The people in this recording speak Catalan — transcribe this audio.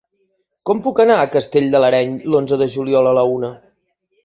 Com puc anar a Castell de l'Areny l'onze de juliol a la una?